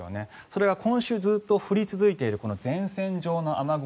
それが今週ずっと降り続いている前線上の雨雲